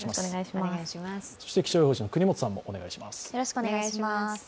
そして気象予報士の國本さんもお願いします。